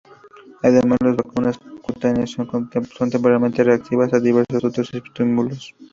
Además, las venas cutáneas son temporalmente reactivas a diversos otros estímulos.